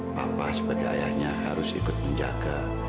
bapak sebagai ayahnya harus ikut menjaga